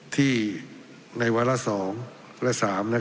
ที่ในวาราสองวาราสามนะคะ